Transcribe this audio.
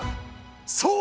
そう。